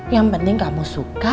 yang penting kamu suka